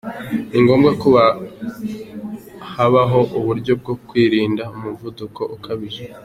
Ningombwa ko habaho uburyo bwo kwirinda umuvuduko ukabije.